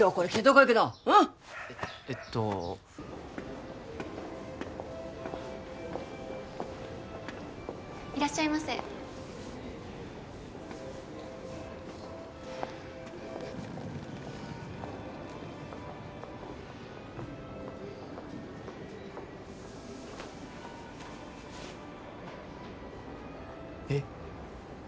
えっえっといらっしゃいませえっ